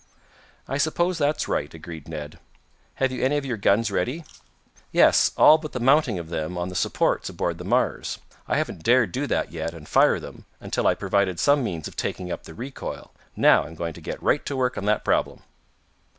"I suppose that's right," agreed Ned. "Have you any of your guns ready?" "Yes, all but the mounting of them on the supports aboard the Mars. I haven't dared do that yet, and fire them, until I provided some means of taking up the recoil. Now I'm going to get right to work on that problem."